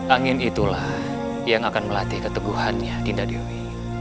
angin itulah yang akan melatih keteguhannya dinda dewi